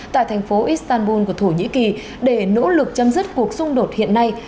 tại thành phố istanbul của thổ nhĩ kỳ để nỗ lực chấm dứt cuộc xung đột hiện nay